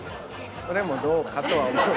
それもどうかとは。